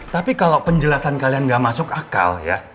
tapi kalau penjelasan kalian gak masuk akal